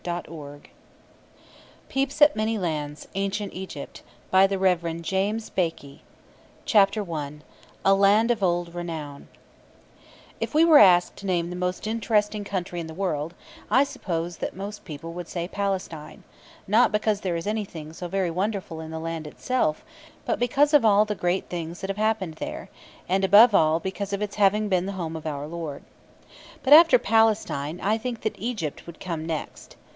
[Illustration: SKETCH MAP OF ANCIENT EGYPT.] ANCIENT EGYPT CHAPTER I "A LAND OF OLD RENOWN" If we were asked to name the most interesting country in the world, I suppose that most people would say Palestine not because there is anything so very wonderful in the land itself, but because of all the great things that have happened there, and above all because of its having been the home of our Lord. But after Palestine, I think that Egypt would come next.